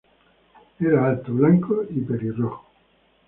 Era alto, blanco y pelirrojo.